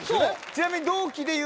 ちなみに。